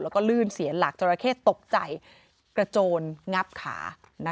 แล้วก็ลื่นเสียหลักจราเข้ตกใจกระโจนงับขา